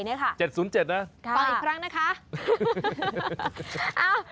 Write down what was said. ๗๐๗นะไปอีกครั้งนะคะค่ะค่ะค่ะค่ะค่ะ